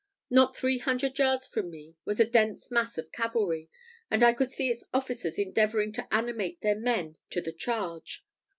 Not three hundred yards from me was a dense mass of cavalry, and I could see its officers endeavouring to animate their men to the charge.